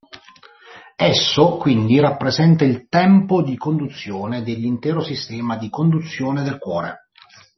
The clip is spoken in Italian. Esso, quindi, rappresenta il tempo di conduzione dell'intero sistema di conduzione del cuore.